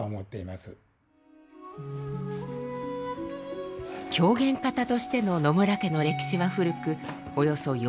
狂言方としての野村家の歴史は古くおよそ４００年遡ることができます。